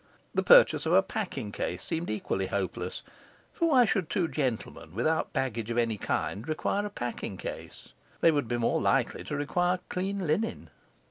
The purchase of a packing case seemed equally hopeless, for why should two gentlemen without baggage of any kind require a packing case? They would be more likely to require clean linen.